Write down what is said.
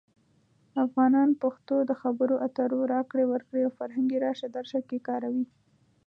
افغانان پښتو د خبرو اترو، راکړې ورکړې، او فرهنګي راشه درشه کې کاروي.